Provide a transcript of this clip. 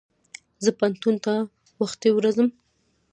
زه پوهنتون ته وختي ورځم.